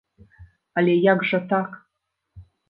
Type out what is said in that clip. Але як жа так?